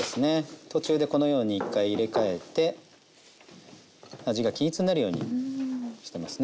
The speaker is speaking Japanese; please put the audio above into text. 途中でこのように一回入れ替えて味が均一になるようにしてますね。